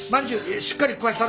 しっかり食わしたる。